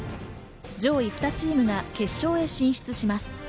上位２チームが決勝へ進出します。